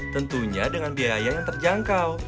tentunya dengan biaya yang terjangkau